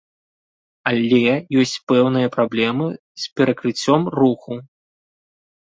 Але ёсць пэўныя праблемы з перакрыццём руху.